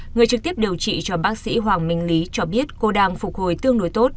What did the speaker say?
người trực tiếp điều trị cho bác sĩ hoàng minh lý cho biết cô đang phục hồi tương đối tốt